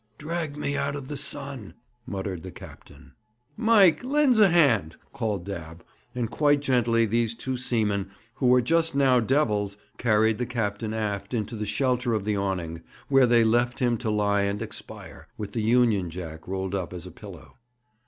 'Drag me out of the sun,' muttered the captain. 'Mike, len's a hand,' called Dabb; and quite gently these two seamen, who were just now devils, carried the captain aft into the shelter of the awning, where they left him to lie and expire, with the Union Jack rolled up as a pillow.